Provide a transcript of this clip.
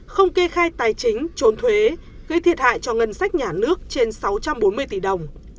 không kê khai tài chính trốn thuế gây thiệt hại cho ngân sách nhà nước trên sáu trăm bốn mươi tỷ đồng